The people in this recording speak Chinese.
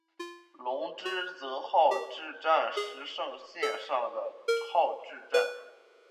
泷之泽号志站石胜线上的号志站。